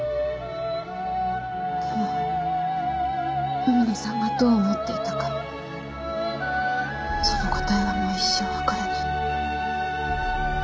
でも海野さんがどう思っていたかその答えはもう一生わからない。